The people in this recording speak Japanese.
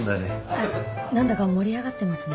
あっなんだか盛り上がってますね。